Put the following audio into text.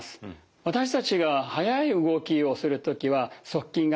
私たちが速い動きをする時は速筋が使われます。